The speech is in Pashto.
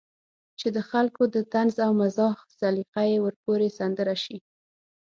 چې د خلکو د طنز او مزاح سليقه به ورپورې سندره شي.